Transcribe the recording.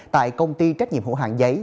tại công ty trách nhiệm hữu hàng giấy